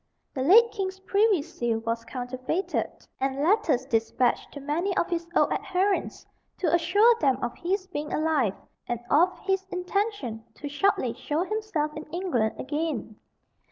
The late king's privy seal was counterfeited, and letters despatched to many of his old adherents to assure them of his being alive, and of his intention to shortly show himself in England again.